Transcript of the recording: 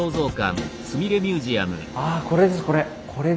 あこれですこれ。